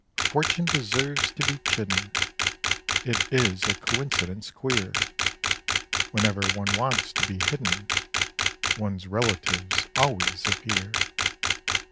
Fortune deserves to be chidden, It is a coincidence queer, Whenever one wants to be hidden, One's relatives always appear.)